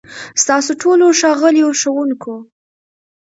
ستاسو ټولو، ښاغليو ښوونکو،